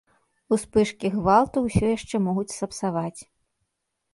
Успышкі гвалту ўсё яшчэ могуць сапсаваць.